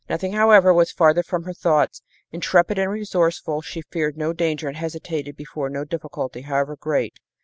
Nothing, however, was farther from her thoughts. Intrepid and resourceful, she feared no danger and hesitated before no difficulty, however great.